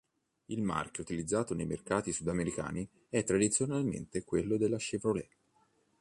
Il marchio utilizzato nei mercati sudamericani è tradizionalmente quello della Chevrolet.